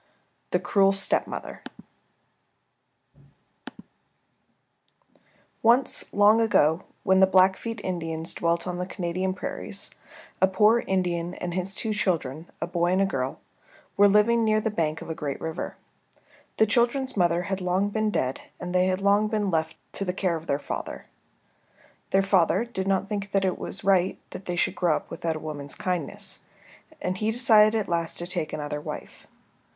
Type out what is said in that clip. THE CRUEL STEPMOTHER Once long ago, when the Blackfeet Indians dwelt on the Canadian prairies, a poor Indian and his two children, a boy and a girl, were living near the bank of a great river. The children's mother had long been dead and they had long been left to the care of their father. Their father did not think it was right that they should grow up without a woman's kindness, and he decided at last to take another wife.